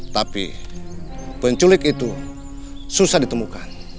tapi penculik itu susah ditemukan